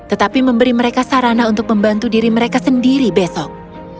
tetapi memberi mereka sarana untuk membantu diri mereka sendiri besok